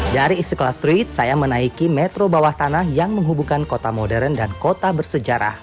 dari istiqlal street saya menaiki metro bawah tanah yang menghubungkan kota modern dan kota bersejarah